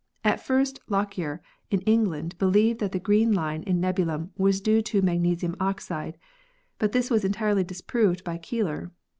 At first Lockyer in England believed that the green line of nebulum was due to magnesium oxide, but this was entirely disproved by Keeler.